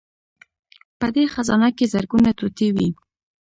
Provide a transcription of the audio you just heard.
په دې خزانه کې زرګونه ټوټې وې